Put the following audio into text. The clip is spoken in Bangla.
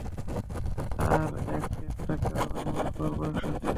আর একাজটা আমরা করবো একসাথে।